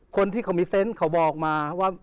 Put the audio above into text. คนที่เขามีเซนต์เขาบอกมาว่า